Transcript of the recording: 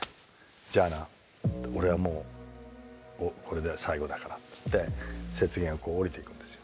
じゃあな俺はもうこれで最後だからっつって雪原をこう下りていくんですよ。